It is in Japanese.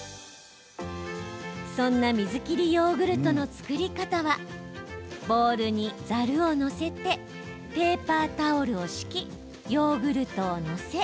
そんな水切りヨーグルトの作り方はボウルにざるを載せてペーパータオルを敷きヨーグルトを載せ